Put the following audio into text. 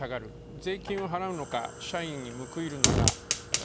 税金を払うのか、社員に報いるのか。